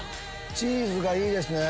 チーズがいいですね。